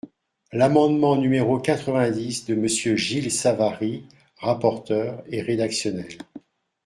L’amendement numéro quatre-vingt-dix de Monsieur Gilles Savary, rapporteur, est rédactionnel.